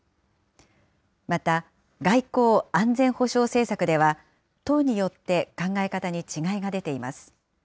また外交・安全保障政策では党によって考え方に違いが出ています。